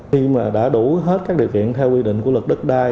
khi mà đã đủ hết các điều kiện theo quy định của luật đất đai